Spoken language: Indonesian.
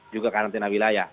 juga karantina wilayah